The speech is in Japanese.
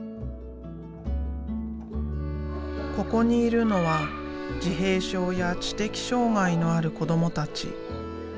ここにいるのは自閉症や知的障害のある子どもたち。